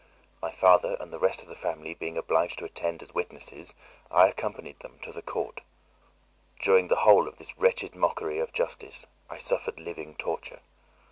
My father and the rest of the family being obliged to attend as witnesses, I accompanied them to the court. During the whole of this wretched mockery of justice I suffered living torture.